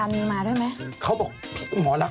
ไม่หรอก